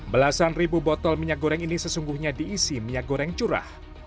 belasan ribu botol minyak goreng ini sesungguhnya diisi minyak goreng curah